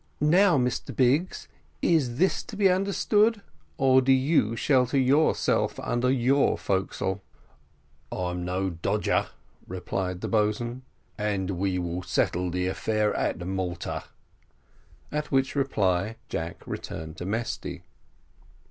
"Now, Mr Biggs, is this to be understood, or do you shelter yourself under your forecastle?" "I'm no dodger," replied the boatswain, "and we will settle the affair at Malta." At which reply Jack returned to Mesty.